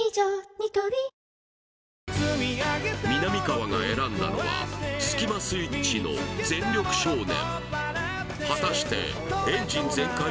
ニトリみなみかわが選んだのはスキマスイッチの「全力少年」